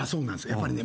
やっぱりね